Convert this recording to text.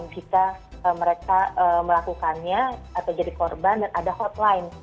dan jika mereka melakukannya atau jadi korban dan ada hotline